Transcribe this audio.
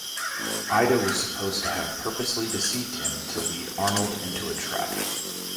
Ida was supposed to have purposely deceived him to lead Arnold into a trap.